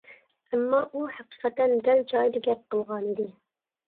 ئەمما، ئۇ ھەقىقەتەن دەل جايىدا گەپ قىلغانىدى.